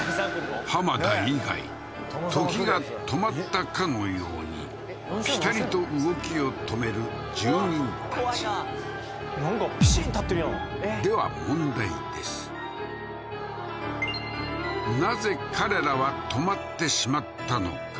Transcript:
田以外時が止まったかのようにピタリと動きを止める住民たちなんかピシッ立ってるやんではなぜ彼らは止まってしまったのか？